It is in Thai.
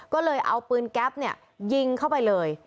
ก็เลยเอาปืนแก๊ปยิงเข้าไปเลย